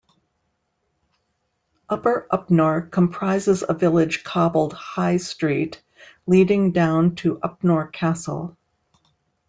Upper Upnor comprises a village cobbled high street leading down to Upnor Castle.